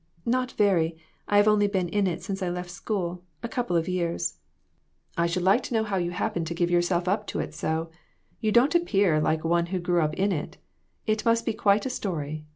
"Not very. I have only been in it since I left school a couple of years." " I should like to know how you happened to WITHOUT ARE DOGS. 2/3 give yourself up to it so. You don't appear like one who grew up in it. It must be quite a story.